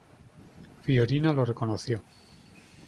Fiorina lo reconoció.